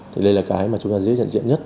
thì đây là cái mà chúng ta dễ nhận diện nhất